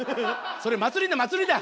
それ「祭りだ祭りだ」！